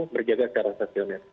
terjaga secara sosialnya